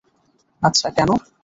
আচ্ছা, কেন?